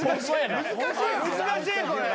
難しいこれ。